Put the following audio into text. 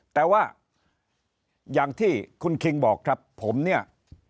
แต่ว่าอย่างที่คุณคิงบอกครับผมเนี่ย